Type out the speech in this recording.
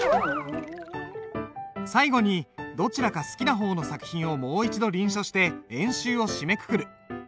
最後にどちらか好きな方の作品をもう一度臨書して演習を締めくくる。